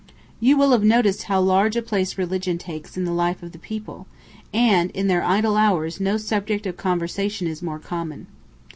You will have noticed how large a place religion takes in the life of the people, and in their idle hours no subject of conversation is more common.